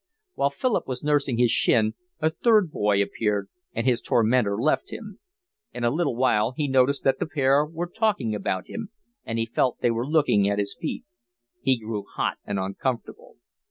While Philip was nursing his shin a third boy appeared, and his tormentor left him. In a little while he noticed that the pair were talking about him, and he felt they were looking at his feet. He grew hot and uncomfortable.